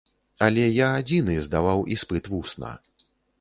Але я адзіны здаваў іспыт вусна.